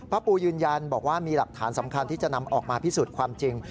ปูยืนยันบอกว่ามีหลักฐานสำคัญที่จะนำออกมาพิสูจน์ความจริง